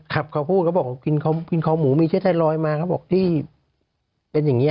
ครับเขาพูดเขาบอกกินคอหมูมีเชื้อไทรอยด์มาเขาบอกที่เป็นอย่างนี้